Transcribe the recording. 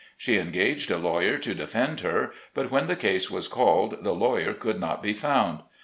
She engaged a lawyer to defend her, but when the case was called the lawyer could not be found.